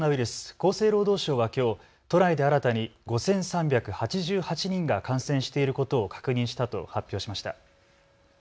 厚生労働省はきょう都内で新たに５３８８人が感染していることを確認したと発表しました。